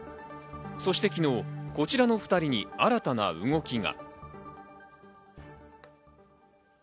そして昨日、こちらの２人に新たな動きが。